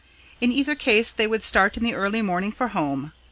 In either case they would start in the early morning for home.